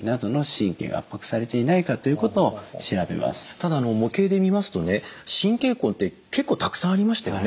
ただ模型で見ますとね神経根って結構たくさんありましたよね。